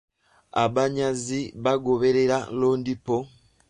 Abanyazi baagoberera Lodipo.